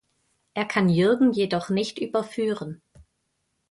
Er kann Jürgen jedoch nicht überführen.